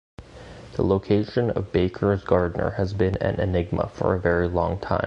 The location of Baker's gardener has been an enigma for a very long time.